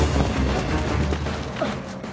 あっ！